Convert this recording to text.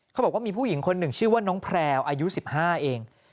เขาบอกว่ามีผู้หญิงคนหนึ่งชื่อว่าน้องแพลวอายุ๑๕เอง